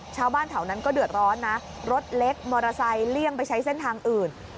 ชาวบ้านแถวนั้นก็เดือดร้อนนะรถเล็กมอเตอร์ไซค์เลี่ยงไปใช้เส้นทางอื่น